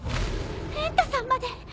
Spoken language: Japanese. ペンタさんまで。